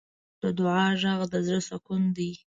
د دعا غږ د زړۀ سکون دی.